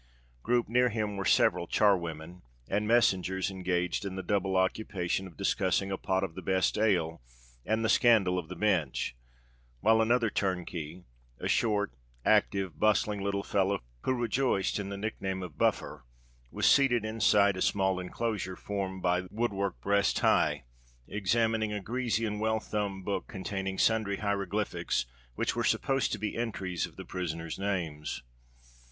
Grouped near him were several char women and messengers, engaged in the double occupation of discussing a pot of the best ale and the scandal of the Bench; while another turnkey—a short, active, bustling little fellow, who rejoiced in the nick name of "Buffer"—was seated inside a small enclosure formed by wood work breast high, examining a greasy and well thumbed book containing sundry hieroglyphics which were supposed to be entries of the prisoners' names.